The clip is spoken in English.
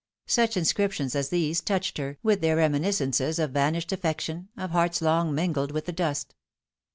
Such inscriptions as these touched her, with their reminiscences of vanished affection, of hearts long mingled with the dust.